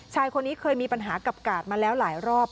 ชายคนนี้เคยมีปัญหากับกาดมาแล้วหลายรอบ